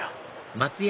松屋